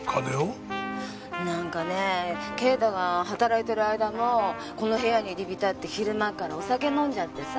なんかね啓太が働いてる間もこの部屋に入り浸って昼間っからお酒飲んじゃってさ。